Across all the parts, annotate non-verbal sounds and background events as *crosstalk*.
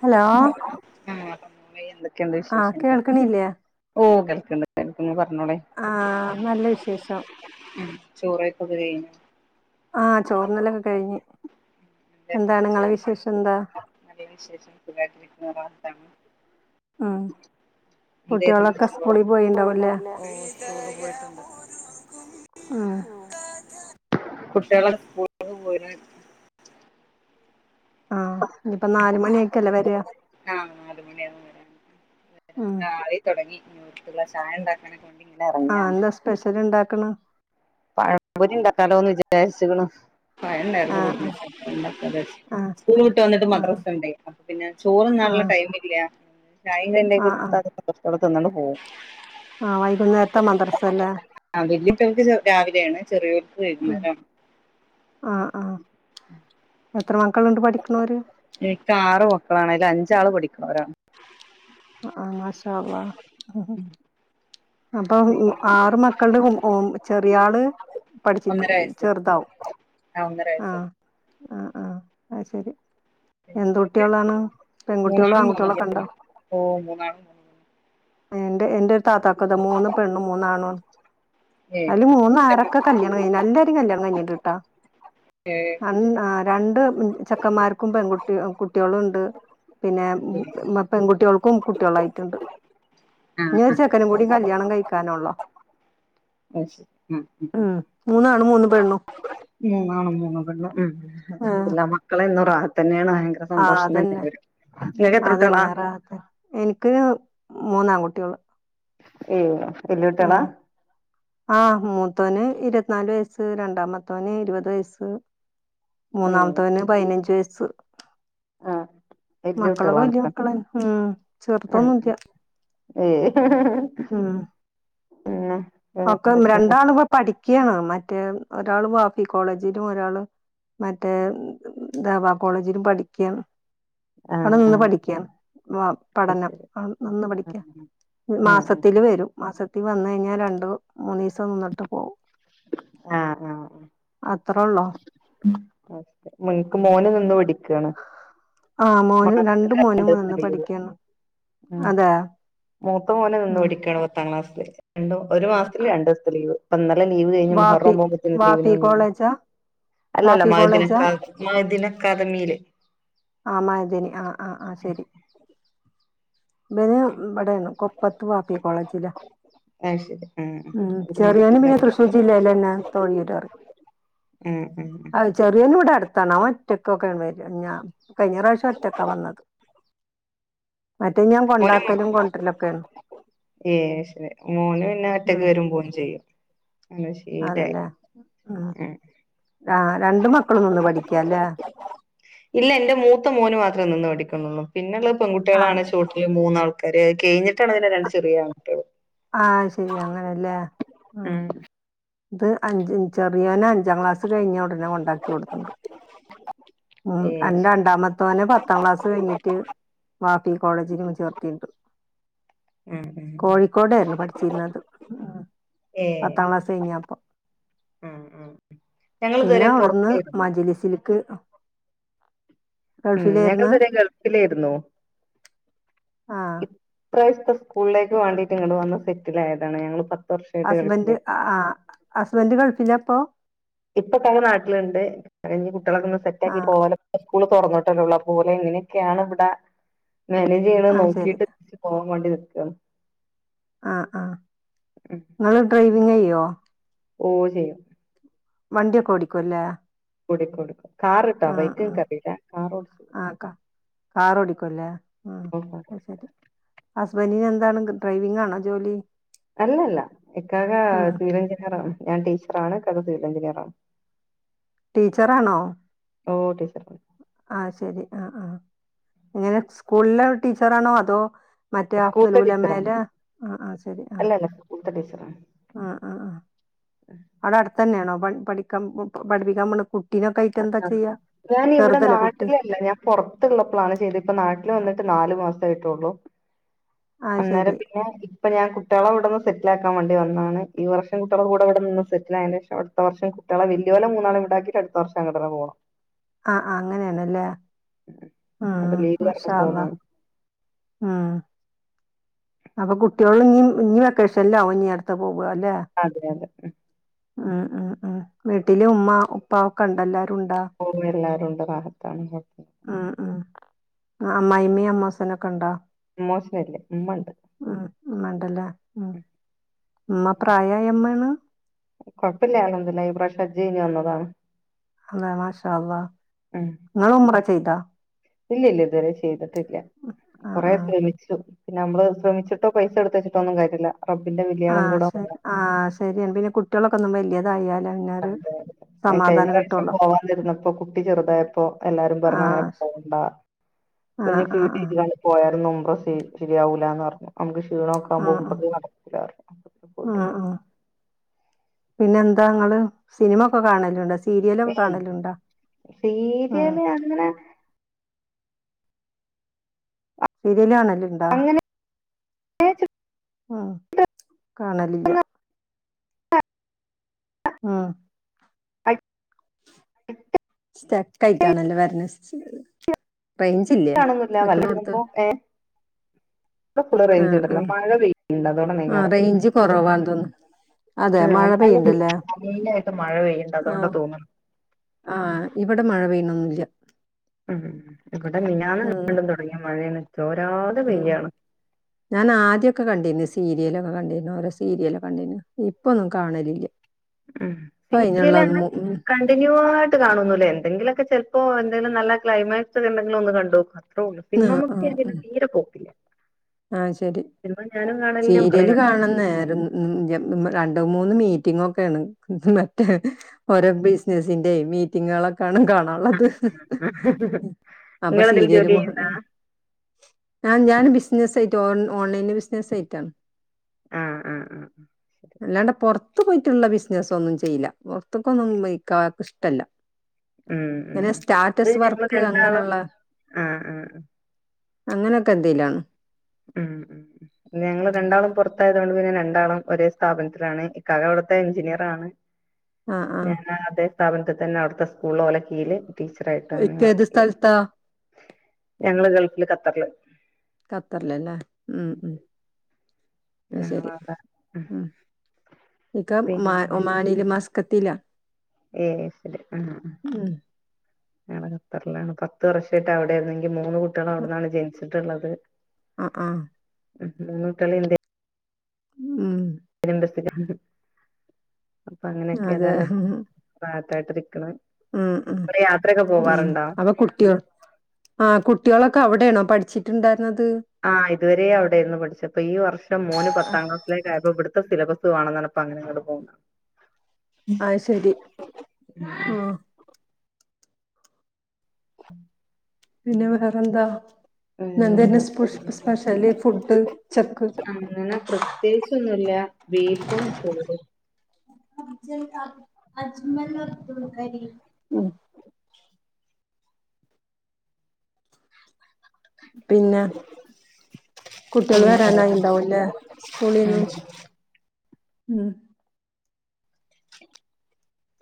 Hello *unintelligible* എന്തൊക്കെയുണ്ട് ആഹ് വിശേഷങ്ങൾ, കേൾക്കണില്ലേ ഓഹ് കേൾക്കിണ്ട് *unintelligible* പറ ഒന്നൂടെ ആഹ് നല്ല വിശേഷം മ് ചോറ് *unintelligible* ആഹ് ചോറുണ്ണലൊക്കെ കഴിഞ്ഞ്. *unintelligible* എന്താണ് നിങ്ങളെ വിശേഷം എന്താ വിശേഷം ഉം *unintelligible* എന്തേ കുട്ടികളൊക്കെ സ്കൂളിൽ പോയിണ്ടാവൂല്ലേ പോയിണ്ടാവല്ലേ ഓ കൂടെ പോയിട്ടുണ്ട്. ആഹ് കുട്ടികൾ സ്കൂളിൽ *unintelligible* ആഹ ഇനിയിപ്പ നാലുമണിയൊക്കെല്ലേ വരിയാ വരാനായി തുടങ്ങി ഇനി ഒരു ഗ്ലാസ് ചായ ഉണ്ടാക്കാന കൊണ്ടി ആ എന്താ സ്പെഷ്യൽ ഇണ്ടാക്കണ്. പഴംപൊരി ഉണ്ടാക്കാലോ എന്ന് വിചാരിച്ചക്കണു. പഴംണ്ടായിരുന്നു ആഹ് വിട്ടൂല്. ആഹ് സ്കൂൾ വിട്ട് വന്നിട്ട് ആഹ് മദ്രാസ ഉണ്ടേ. അപ്പ പിന്നെ ചോറുണ്ണാനുള്ള ആഹ് ടൈം ഇല്ല. ചായ് കയ് ആഹ് കൊടുത്ത ആഹ് അത് സന്തോഷതൊടെ തിന്നാണ്ട് പോവും. ആഹ് വൈകുന്നേരത്തെ മദ്രസ അല്ലേ ആ വലിയകുട്ടികൾക്ക് രാവിലെയാണ്. ചെറിയ ഉം ആ ആ എനിക്ക് ആറ് മക്കളാണ്. അതില് അഞ്ചാള് പഠിക്കണവരാണ്. ആഹ മാശാ ള്ളാ അപ്പൊ ഉം ആറ് മക്കളുടെ മ് ഓ ചെറിയള് പഠിച്ചിട്ട് ഒന്നര വയസ്സ് ചെറുതാവും ആ ഒന്നര വയസ് ആ ആഹ ആ ശരി പിന്നെ എന്ത് അവർക്ക് കുട്ടികളാണ് പെൺകുട്ടികളോ മൂന്നാളും മൂന്നിലും ആൺകുട്ടികളൊക്കെണ്ടോ. ഓ *unintelligible* എന്റെ എന്റെ ഒരു താത്താക്ക അത് മൂന്ന് പെണ്ണും, മൂന്നാണു ണ്ണ്. ഏ അതില് മൂന്ന ആരൊക്കെ കല്യാണം കഴിഞ്ഞു. എല്ലാരും കല്യാണം കഴിഞ്ഞിട്ടുണ്ട് ട്ടാ. ഏ അന്ന് ആ രണ്ട് ചെക്കന്മാർക്കും പെൺകുട്ടി കുട്ടികളും ഉണ്ട്. പിന്നെ പെൺകുട്ടികൾക്കും കുട്ടികളായിട്ടുണ്ട്. ആ ഇനി ആ ഒരു ചെക്കനും കൂടി കല്യാണം കഴിക്കാന ഉള്ളോ അത് ശരി ആ ഉം മൂന്നാണ് മൂന്ന് പെണ്ണും. മൂന്നാണ് മൂന്ന് പെണ്ണും ഉം അലഹുദില്ല മക്കളൊ തന്നെയാണ് ഭയങ്കര ആ സന്തോഷം അതന്നെ തന്നെയാണ് നിങ്ങൾക്ക് എത്ര കുട്ടികളാ അതന്നെ റതെ എനിക്ക് മൂന്നാകുട്ടികള്. ഉം ഉം ആ മൂത്തോന് ഇരുപത്തിനാല് വയസ്. രണ്ടാമത്തവന് ഇരുപത് വയസ്സ്, മൂന്നാമത്തവന് പതിനഞ്ച് വയസ്സ്. സ് ആ മക്കളൊക്കെ വലിയ മക്കളനെ ഉം ഉം ചെർത്തൊന്നുംല്ല. ഏയ് ഒക്കെ എന്തൊക്കെയാണ് രണ്ടാള് ഇപ്പ പഠിക്കയാണ്. മറ്റേ ഒരാള് ബാഫി കോളേജിലും ഒരാള് മറ്റേ ദവാ കോളേജിലും പഠിക്കിയാണ്. അത് ആഹ് നിന്ന് ആഹ് പഠിക്കയാണ്. വാം അത് പഠനം ശരി ആ നിന്ന് പഠിക്കൻ ആഹ് ആഹ് മാസത്തില് വരും. മാസത്തിൽ വന്ന കഴിഞ്ഞാൽ രണ്ട്, മൂന്ന് ദിവസം നിന്നിട്ട് പോവും. ആ ആ ആ അത്രള്ളോ *unintelligible* മോന് നിന്ന് പിടിക്കാണ് ആഹ് മോന രണ്ട് മോനും നിന്ന് ലീവ് പഠിക്കാണ് ഉം അതെ മൂത്ത മോന് നിന്ന് ഉം പടിക്കാണ് പത്താം ക്ലാസ് രണ്ട് ഒരു മാസത്തില് രണ്ടു ദിവസതെ ലീവ് *unintelligible* ലീവ് കഴിഞ്ഞ് വാഫി മുഹറാം പോവുമ്പോത്ത വാഫി ലീവിന കോളേജാ അല്ലല്ല വാഫി കോളേജാ മഴദിനക്കാ മഴദിനക്കാ ആ മതന്ന് ആഹ് ആഹ് ശരി *unintelligible* ഇവിടൊണ് കൊപ്പത്ത് വാപ്പി കോളേജ് അത് ശരി ആ ഉം ഒരു ചെറിയാനും മഹദിന്റെ പിന്നെ അവിടെ തൃശ്ശൂർ ജില്ലയിതന്നെ തൊഴിട്ടറി ഉം ഉം ഉം അ ചെറിയേന്ന് ഇവിടാ അടു എത്തണ ഓൻ ഒറ്റക്കൊക്കെയാ വരിഞ കഴിഞ്ഞ പ്രാവശ്യം ഒറ്റക്കാ വന്നത് മറ്റേ ഞാൻ മോനു- കൊണ്ടാക്കലും കൊണ്ടരലൊക്കെയാണ് ഏ ശരി മോന് പിന്നെ ഒറ്റക്ക് വരുമ്പോരും ചെയ്യും ശീലായി അതെല്ലേ ഉം ആ രണ്ട് മക്കളും നിന്ന് പഠിക്കാല്ലേ ഇല്ല എന്റെ മൂത്ത മോന് മാത്ര നിന്ന് പഠിക്കുന്നുള്ളൂ പിന്നെള്ളത് ആ പെൺകുട്ടിള്ളണ് ചുട്ടില് മൂന്നാൾക്കാര് കഴിഞ്ഞിട്ടാണ് അതിന്റെ രണ്ട് ചെറിയ ആൾക്കാര് ആ ശരിയാ അങ്ങനെല്ലേ ഉം ഇത് അഞ്ച് ചെറു അനിയാന അഞ്ചാം ക്ലാസ് കഴിഞ്ഞുടനെ കൊണ്ടാക്കി കൊടുത്തുണ്ട് ഉം ഏ അന്നാ ശരി രണ്ടാമത്തവനെ പത്താം ക്ലാസ് കഴിഞ്ഞിട്ട് വാ ട്ടി കോളേജിനു ചേർത്തിരുന്നു ഉം ഉം ഉം കോഴിക്കോടായിരുന്നു പഠി ചിനത് ഉം ഏ പത്താം ക്ലാസ് കഴിഞ്ഞപ്പം ഉം ഉം പിന്നെ ഞങ്ങളിതുവരെ അവിടുന്ന് പുറത്തായിരുന്നു മജലിസിലേക്ക് ഉം ഞങ്ങൾ ഗൾഫിലായിരുന്നു ഇതുരെ ഗൾഫിലാരുന്നു ആ ഇപ്പ സ്കൂളിലേക്ക് വേണ്ടിട്ടാണ് വന്ന് സെറ്റിലായതാണ് ഞങ്ങള് പത്ത് വർഷായിട്ട് ഹസ്ബന്ഡ് ഗൾഫിലേക്ക് ആ ഹസ്ബന്ഡ് ഗൾഫിലാ അപ്പൊ ഇപ്പൊതമ്മ നാട്ടിലുണ്ട് കഴിഞ്ഞ് കുട്ടികളൊക്കെ ഒന്ന് ആ സെറ്റായിട്ട് പോവലോ സ്കൂള് തുറന്നിട്ടല്ലോള്ളു അപ്പൊ ഓന് ഇങ്ങനെയൊക്കെയാണ് ഇവിടാ മേനേജ് ചെയ്യണ അത് ശരി നോക്കിട്ട് പോവാൻ വേണ്ടി നിക്കായാണോ ആ ആ നിങ്ങൾ ഡ്രൈവിങ് ചെയ്യുവോ ഓ ചെയ്യും വണ്ടിയോക്കെ ഓടിക്കുവല്ലേ കുടി കുടി കാർറിട്ട ബൈയിക്ക് കാറോടിക്കും കാറോടിക്കുല്ലേ ഉം ഉം ഉം അത് ശരി വനിൻ എന്താണ് ഡ്രൈവിങ്ങ് ആണോ ജോലി അല്ലല്ല ഇക്കാക ഉം സിവിൽ എൻജിറാണ് ഞാൻ ടീച്ചറാണ് കഥ സിവിൽ എൻജിനിയറാണ് ടീച്ചറാണോ ഓ ടീച്ചർ ആ ശരി ആ ആ എങ്ങനെ സ്കൂളിലെ ടീച്ചറാണോ അതോ മറ്റോ സ്കൂൾത്തെ *unintelligible* ടീച്ചറാണ് ആ ആ ശരി ആ അല്ലല്ല സ്കൂൾത്തെ ടീച്ചറാണ് ആ ആ ആ അവിടെ അടുത്തന്നെയാണോ വൺ പഠിക്കാ പഠിപ്പിക്കാൻ കുട്ടികാക്കയിട്ട് എന്താ ചെയ്യാ ഞാൻ ഇവിടെ ചെറുതല്ലേ കുട്ടി നാട്ടിലല്ല ഞാൻ പുറത്തുള്ളപ്പോഴാണ് ചെയ്ത് ഇപ്പൊ നാട്ടിൽ വന്നിട്ട നിട്ട് നല് മാസയിട്ടുള്ളു ആ അന്നേരം ശരി പിന്നെ ഇപ്പഴാ ഞാൻ കുട്ടികളെ വിടുന്നെ സെറ്റിലാ ക്കാം വേണ്ടിവന്നാണ് ഈ വർഷം കുട്ടികളെകൂടെവിടെന്ന് സെറ്റിലായാ ശോഷം അടുത്ത വർഷം കുട്ടികളെ വലിയ പോല മൂന്നാളും വിടാക്ക ആക്കി അടുത്ത വർഷം അങ്ങട്ടൊന്നു പോണം ആഹ് ആഹ് അങ്ങനൊണല്ലേ ആ അപ്പൊ ലീവ് പറഞ്ഞ് മഷാ അള്ളാ പോന്നാണ് ഉം അപ്പൊ കുട്ടികള് നീ നീ വെക്കേഷനില് ആവോ ഇനി അടുത്ത് പോ അതെ അതെ ഉം ഉം ഉം വീട്ടില ഉമ്മമാ ഉപ്പ ഒക്കെ ഒണ്ടല്ലോ ഉണ്ട ഉം എല്ലാരും ഉണ്ട് റാഹത്താണ് കൊഴപ്പ ഉം ഉം ആമ്മായിയമ്മയും അമ്മമാസനൊക്കെ ഉണ്ടോ മോശന ഇല്ല ഉമ്മയുണ്ട് ഉമ്മയുണ്ടല്ലേ ഉ ഉമ്മ പ്രായയാ അമ്മയാണോ കൊഴപ്പില്ലാല എന്ല്ല ഈ പ്രാവശ്യം ഗജജ് വന്നതാണ് അതെ മാഷാഅള്ളാ ഉം നുമറാ ചെയ്ത ഇല്ല ഇല്ല ഇതുവരെ ചെയ്തിട്ടില്ല ആ കൊറെ ആ ശ്രമിച്ചു പിന്നെ നമ്മ ശ്രിച്ചിട്ട പൈസ എടുത്ത വച്ചട്ടോ ഒന്നുംകാര്യല്ല ആഹ് ശ ആഹ് ശരിയൻ പിന്നെ കുട്ടികളൊക്കെ ഒന്നും വലിയതായ അതെതെ ഞാൻ കഴിഞ്ഞ പ്രവശ്യം പോവാന്നിരുന്നപ്പോ കുട്ടി ചെറുതായപ്പോൊ എല്ലാരും പറഞ്ഞഞ് അങ്ങനെ ആഹ് പോ കണ്ടാ ആഹ് കുഞ്ഞു ഫീഡ് ആഹ് ആഹ് ചെയ്ങ്ങാണ്ട് പോയുമ്പ ശരിയാവൂലന്ന് പറഞ്ഞു നമുക്ക് ക്ഷീണമോക്കാപ്പയി ആഹ് ആഹ് ഇതൊന്നും നടക്കൂലാരുന്നു അപ്പൊ ആഹ് പോയിട്ടുണ്ടാരുന്നു ആഹ് പിന്നെ എന്താ നിങ്ങള് സിനിമ ഒക്കെ കാണലുണ്ടാ സീരിയലൊക്കെ ഏയ് കാണലുണ്ടാ സീരിയല് അങ്ങനെ ശിരിയലാണല്ല ഇണ്ടാ അങ്ങനെ ഉം ആഹ് കാണലില്ല ആഹ *unintelligible* എത സ്റ്റെക്ക ആയിട്ടണ എല്ല വരണ ആണൊന്നല്ല വല്ല പോകുമ്പോ ഏ ഇ ഫുള് റേഞ്ച് ആഹ് ഇടല്ല ആഹ് മഴ വെണ്ട് അതോടെ ആഹ് ഭൈകാരം റേഞ്ച് കൊറവാന്ന് തോന്നുന്നു അതെ മഴ പെയ്യണ്ടല്ലേ ആ കയിലായിട്ട് മഴ പെയ്യണ്ട അതുകൊണ്ട് തോന്നണം ആഹ ഇവിടെ മഴ പെയ്യണൊന്നുംല്ല ഉം തൊട്ട മിനനാന്ന് വണ്ടും തുടങ്ങിയ മഴേന്ന് ഉം ഞാൻ ആദ്യൊക്കെ കണ്ടിന്ന സീരിയലൊക്കെ കണ്ടേന ഓരോ സീരിയലക്ക കണ്ടേനു ഇപ്പൊന്നും കാണലില്ലേ ഉ സീരിയലണ് കണ്ടിന്യൂ ആയിട്ട് കാണുന്നുല്ലേ എന്തെങ്കിലുമൊക്കെ ചെ ഇപ്പോ എന്തങ്കിലും നല്ല ക്ലൈമാക്സോ എന്തെിലും ഒന്ന് കണ്ടുപോക്കാം അത്രള്ളൂ പിന്ന നക്കെ അത തീരെ പോക്കില്ല ആഹ ശരി സിനിമ ഞാനും കാണലില്ല സീരിയല് മക്കളെയും കാണിച്ചു കൊടുക്കലില്ല കാണുന്നായിരുന്ന് രണ്ട മൂന്ന് മീറ്റിങ്ങ ഒക്കെയാണ് മറ്റേ ഓരോ ബിസിനസിന്റെ മീറ്റിങ്ങുകളൊക്കെയാണ് കാണാ ള്ളത് അപ്പൊ നിങ്ങളെന്തേലും സീരിയല ജോലി ചെയ്യുന്നുണ്ടോ ആ ഞാൻ ബിസിനസായിട്ട് ഓ ഓൺലൈൻ ബിസിനസായിട്ടാണ് ആ ആ ആ അല്ലാണ്ട് പുറത്ത് പുറത്ത പോയിട്ടുള്ള ബിസിനസ്സൊന്നും ചെയ്ല്ല പുറർത്തക്കൊന്നും ഇക്കാക്ക് ഇഷ്ടല്ല ഉം ഉം ഇങ്ങനെ ഉം. ഇത് സ്റ്റാറ്റസ് ഞങ്ങള് വർക്ക് രണ്ടാളും അങ്ങനെയുള്ള ആ ആ അങ്ങനെയൊക്കെ എന്തെലാണ് ഉം ഉം ഞങ്ങള് രണ്ടാളും പുറത്തായതു കൊണ്ട് പിന്നെ രണ്ടാളും ഒരേ സ്ഥാപനത്തിലാണ് അവിടുത്തെ എഞ്ചിനീയറാണ് ആഹ് ആഹ് ഞാൻ അതേ സ്ഥാപനത്തി തന്നെ അവിടുത്തെ സ്കൂൾ ഓലക്കയില് ടീച്ചറായിട്ട് അങ്ങനെ ഇക്ക ഏത് വർക്ക് ചെയ്യാം സ്ഥലത്താ? ഞങ്ങള് ഗൾഫില് കത്തറല് ഖത്തറലല്ലേ ഉം ഉ ശരി ഞങ്ങളവിടെ ഉം ഉ ഇക്ക ഒമാ ഒമാനയില മാസ് കത്തില ഏയ് ശരി ആ ഞള ഖത്തറിലാണ് പത്ത് വർഷമായിട്ട് അവിടയിരുന്ന് മൂന്ന് കുട്ടികൾ അവിടന്നാണ് ജനിച്ചിട്ടുള്ളത് ആ ആ *unintelligible* ഉം *inaudible* അപ്പൊ അങ്ങനെയൊക്കെ അതെ ഏതായാലും കേട്ടിരിക്ക്ണ്. ഉം ഉം ഉം അപ്പൊ കുട്ട്യേള് ആഹ് കുട്ടോളൊക്കെ അവിടെയാണോ പഠിച്ചിട്ട്ണ്ടാ ആ ഇതുവരേ അവിടെയിര്ന്നു പഠിച്ചെ പ്പോ ഈ വർഷം മോന് പത്താം ക്ലാസ്സിലേക്ക് ആയപ്പം ഇവിടെ ത ത്ത സിലബസ് വേണന്നറഞ്ഞപ്പോ അങ്ങനെ ഇങ്ങട്ട പോന്ന അയ്ശെരി ആ ഹും പിന്നെ വേറെന്താ വേറെന്താ *unintelligible* സ്പെഷ്യലി ഫുഡ്. ഉച്ചക്ക് അങ്ങനെ പ്രത്യേകിച്ചൊന്നുല്ല്യ ബീഫും ചോറും. *inaudible* ഉം. പിന്നെ. കുട്ട്യേള് പിന്നെ വരാനായിണ്ടാവുംല്ലേ സ്കൂളീന്ന്. ഉം.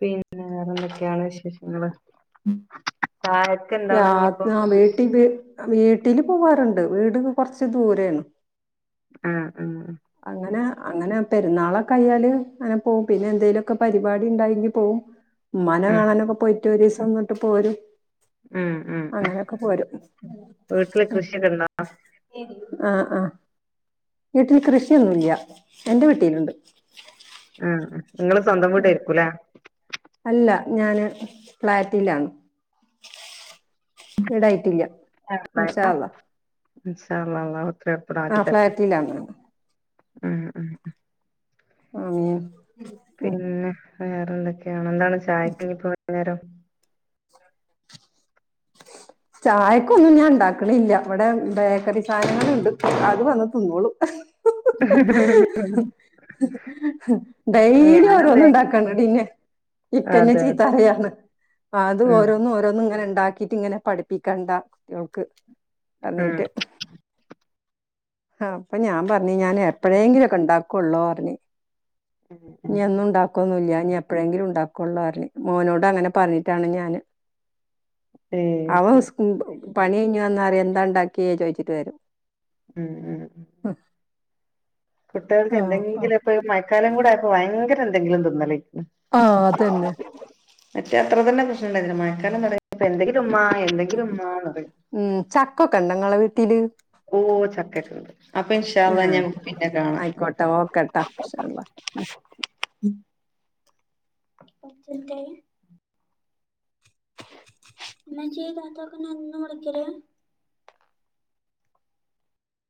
പിന്നെ വേറെന്തൊക്കെയാണ് വിശേഷങ്ങള്. ചായക്ക് എന്താണ് ഇനിയിപ്പോ ആ വേട്ടി വീട്ടില് പോവാറ്ണ്ട് വീട് കൊറച്ച് ദൂരയാണ്. ആ ആ. അങ്ങനെ പെരുന്നാളൊക്കെ ആയാല് അങ്ങനെ പോവും, പിന്നെ എന്തെലൊക്കെ പരിപാടി ഇണ്ടായെങ്കി പോവും. മ്മാനെ ആഹ് കാണാനൊക്കെ പോയിറ്റ് ഒരീസം നിന്നിട്ട് പോരും. ആഹ് ആഹ് ആഹ് അങ്ങനെയൊക്കെ പോരും വീട്ടില് ഉം. കൃഷിയൊക്കെ ഉണ്ടോ ആ ആ വീട്ടിൽ കൃഷിയൊന്നുല്ല്യ എന്റെ വീട്ടീല്ണ്ട്. ആ ഇങ്ങള് സ്വന്തം വീടായിരിക്കൂലേ. അല്ല ഞാന് ഫ്ളാറ്റിലാണ്. വീടായിട്ടില്ല ഇൻഷഅള്ള. ഉം ഉം ഉം. ആമീൻ ഉം. വേറെ എന്തൊക്കായാണ്, എന്താണ് ചായക്കിനിപ്പോ വൈന്നേരം. ചായക്ക് ഒന്നും ഞാൻ ഇണ്ടാക്കണില്ല, ഇവ്ടെ ബേക്കറി സാധനങ്ങൾണ്ട് അത് വന്ന് തിന്നോളും. *inaudible* ഡെയ്ലി ഞാനും ഓരോന്ന് ബേ ഇണ്ടാക്കണടിന്നെ. ഇക്കന്നെ അതെ അതെ ചീത്തറയാണ്, അത് ഉം ഓരോന്ന് ഓരോന്ന് ഇങ്ങനെണ്ട ഇണ്ടാക്കിട്ട് ഇങ്ങനെ പഠിപ്പിക്കണ്ട കുട്ട്യോൾക്ക് ഉം പറന്നിട്ട്. ആ അപ്പൊ ഞാൻ പറഞ്ഞ് ഞാൻ എപ്പോഴേങ്കിലൊക്കെ ഇണ്ടാക്കോള്ളൂ പറഞ്ഞ്. ഉം ഉം ഇഞ്ഞി ഒന്നും ഇണ്ടാക്കൊന്നുല്ല്യ. ഇഞ്ഞി എപ്പോഴെങ്കിലും ഉണ്ടാക്കോള്ളൂ പറഞ്ഞ്, മോനോട് അങ്ങനെ പറഞ്ഞിട്ടാണ് ഞാന്. ഏയ് അവ ശരി സ്കൂ പണി കഴിഞ്ഞു വന്നറിയും ന്താണ്ടാക്കിയേ ചോയിച്ചിട്ട് വരും. ഉം ഉം ഉം. കുട്ട്യേൾക്ക് ആ, ആ. എന്തെങ്കിലും ഇപ്പൊ മഴക്കാലം കൂടെ ആയപ്പോ ഭയങ്കര എന്തെങ്കിലും തിന്നലേ ആ അതന്നെ. മറ്റേ അത്ര തന്നെ പ്രശ്നണ്ടേർന്നില്ല, മഴക്കാലം തൊടങ്ങിപ്പം എന്തെങ്കിലും മ്മാ എന്തെങ്കിലുംമ്മാന്നറിയും. ഉം ചക്കൊക്കെ ഇണ്ടോ ഇങ്ങളെ വീട്ടില് ഓ ചക്കയൊക്കെണ്ട്, അപ്പൊ ഇഷാ അള്ളാ ഇഞ്ഞി അമ്മക്ക് പിന്നെ കാണാം. കേട്ടാ *unintelligible* പച്ചന്തായീ ന്ന ചെയ്താത്തൊക്കെ നന്ന *unintelligible*